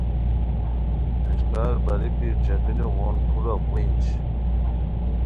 نیسکار باریکی ݯیخنو غون پھورا قڑینج